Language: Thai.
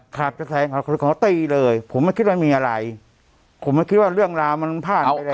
ครับจะแทงเขาขอตีเลยผมไม่คิดว่ามีอะไรผมไม่คิดว่าเรื่องราวมันพลาดไปแล้ว